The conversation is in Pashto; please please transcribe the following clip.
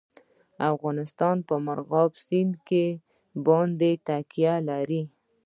افغانستان په مورغاب سیند باندې تکیه لري.